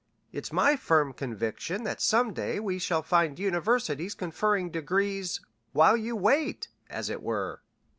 It's my firm conviction that some day we shall find universities conferring degrees 'while you wait,' as it were.